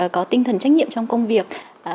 có tinh thần trách nhiệm trong công việc